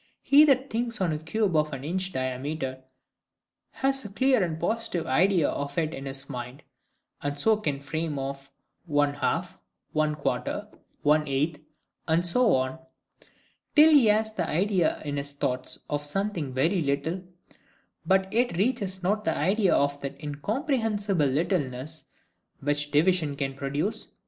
He that thinks on a cube of an inch diameter, has a clear and positive idea of it in his mind, and so can frame one of 1/2, 1/4, 1/8, and so on, till he has the idea in his thoughts of something very little; but yet reaches not the idea of that incomprehensible littleness which division can produce.